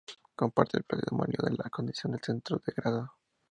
Comparte el predominio de la condición de centro degradado.